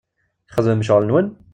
Txedmem ccɣel-nwen?